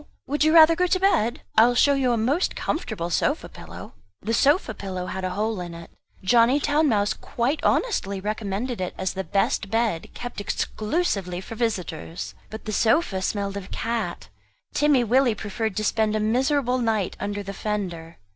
Would you rather go to bed? I will show you a most comfortable sofa pillow." The sofa pillow had a hole in it. Johnny Town mouse quite honestly recommended it as the best bed, kept exclusively for visitors. But the sofa smelt of cat. Timmy Willie preferred to spend a miserable night under the fender.